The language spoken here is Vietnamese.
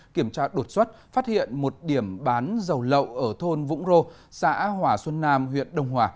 kiểm tra đột xuất phát hiện một điểm bán dầu lậu ở thôn vũng rô xã hòa xuân nam huyện đông hòa